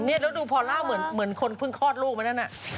นี่แล้วดูพอล่าเหมือนคนเพิ่งคลอดลูกมานั่นน่ะ